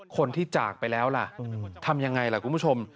คนที่จากไปแล้วล่ะทำยังไงล่ะคุณผู้ชม